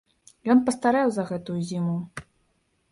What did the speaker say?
Ён пастарэў за гэтую зіму.